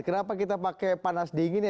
kenapa kita pakai panas dingin ya